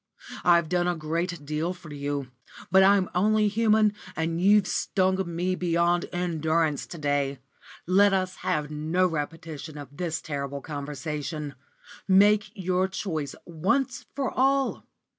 I've done a great deal for you, but I'm only human, and you've stung me beyond endurance to day. Let us have no repetition of this terrible conversation. Make your choice once for all.